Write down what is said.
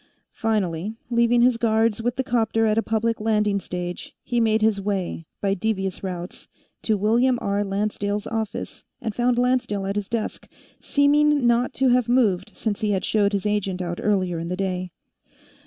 Finally, leaving his guards with the 'copter at a public landing stage, he made his way, by devious routes, to William R. Lancedale's office, and found Lancedale at his desk, seeming not to have moved since he had showed his agent out earlier in the day.